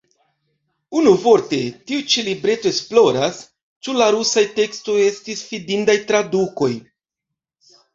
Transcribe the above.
Unuvorte, tiu ĉi libreto esploras, ĉu la rusaj tekstoj estis fidindaj tradukoj.